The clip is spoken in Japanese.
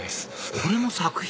これも作品？